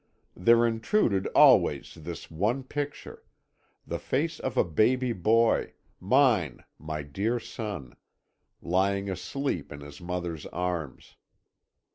There intruded always this one picture the face of a baby boy, mine, my dear son, lying asleep in his mother's arms.